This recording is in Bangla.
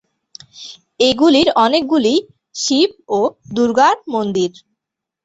এগুলির অনেকগুলিই শিব ও দুর্গার মন্দির।